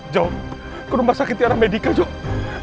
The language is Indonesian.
jom ke rumah sakit tiada medika jom